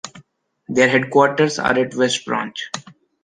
Their headquarters are at West branch.